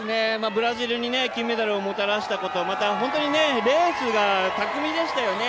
ブラジルに金メダルをもたらしたことまた、本当にレースが巧みでしたよね。